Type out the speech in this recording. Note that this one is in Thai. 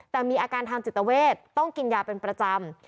แต่มีอาการทางจิตเวทต้องกินยาเป็นประจำ